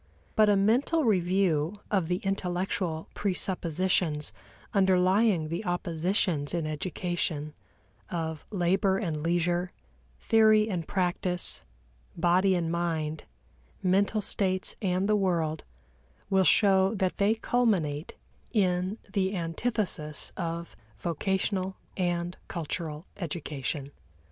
But a mental review of the intellectual presuppositions underlying the oppositions in education of labor and leisure, theory and practice, body and mind, mental states and the world, will show that they culminate in the antithesis of vocational and cultural education.